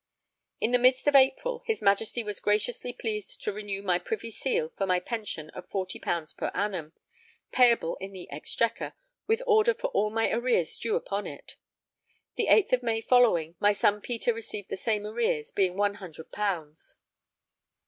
In the midst of April, his Majesty was graciously pleased to renew my privy seal for my pension of 40_l._ per annum, payable in the Exchequer, with order for all my arrears due upon it. The 8th of May following, my son Peter received the same arrears, being one hundred pounds.